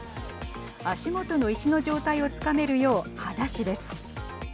足元の石の状態をつかめるようはだしです。